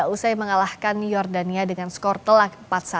usai mengalahkan jordania dengan skor telak empat satu